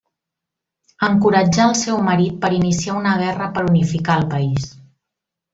Encoratjà el seu marit per iniciar una guerra per unificar el país.